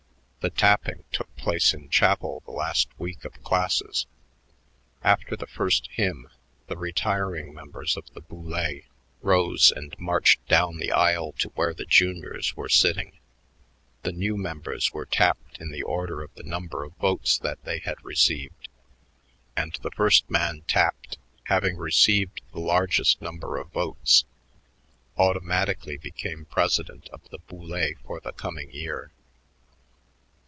The tapping took place in chapel the last week of classes. After the first hymn, the retiring members of the Boulé rose and marched down the aisle to where the juniors were sitting. The new members were tapped in the order of the number of votes that they had received, and the first man tapped, having received the largest number of votes, automatically became president of the Boulé for the coming year.